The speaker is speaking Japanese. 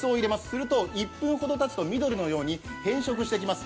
すると１分ほどたつと、緑のように変色してきます。